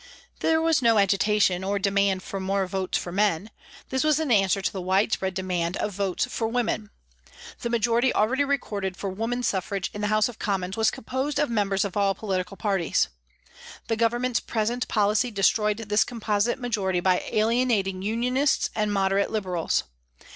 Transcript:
There was no agitation or demand for more votes for men ; this was in answer to the widespread demand of votes for women. The majority already recorded for Woman Suffrage in the House of Commons was composed of members THE CONCILIATION BILL 319 of all political parties. The Government's present policy destroyed this composite majority by alienat ing Unionists and moderate Liberals.